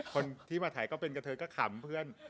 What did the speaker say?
คนที่มาถ่ายก็เป็นกระเทยก็ขำเพื่อน